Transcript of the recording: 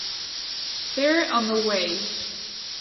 They’re on the way.